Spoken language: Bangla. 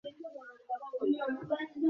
সারা দিন রঙ খেলে কাদা মেখে সবাই ভূত হয়ে গেছি।